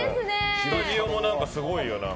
スタジオもすごいよ。